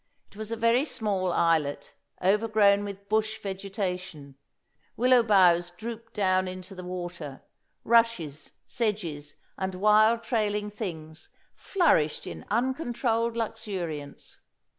It was a very small islet, overgrown with bush vegetation; willow boughs drooped down into the water; rushes, sedges, and wild trailing things flourished in uncontrolled luxuriance.